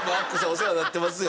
お世話になってますよ。